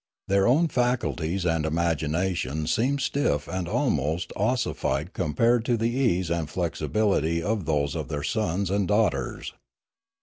Their own faculties and imagination seemed stiff and almost ossified compared to the ease and flexibility of those of their sons and daughters.